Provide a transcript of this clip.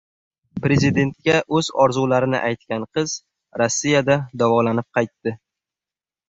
Prezidentga o‘z orzularini aytgan qiz Rossiyada davolanib, qaytdi